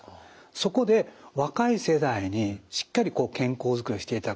そこで若い世代にしっかり健康づくりをしていただく。